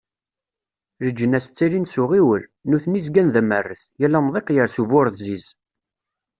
Leǧnas ttalin s uɣiwel, nutni zgan d amerret, yal amḍiq yers uburziz.